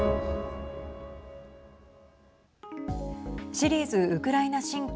シリーズウクライナ侵攻